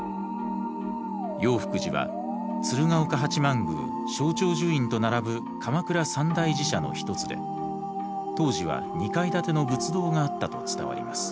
永福寺は鶴岡八幡宮勝長寿院と並ぶ鎌倉三大寺社の一つで当時は２階建ての仏堂があったと伝わります。